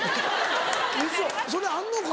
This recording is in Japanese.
ウソそれあんのか。